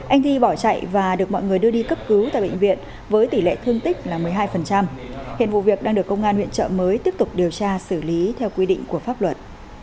anh thi bỏ chạy và được mọi người đưa đi cấp cứu tại bệnh viện với tỷ lệ thương tích là một mươi hai hiện vụ việc đang được công an huyện trợ mới tiếp tục điều tra xử lý theo quy định của pháp luật